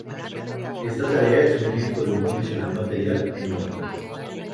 Esta tarea es un ejemplo de un condicional material en lógica.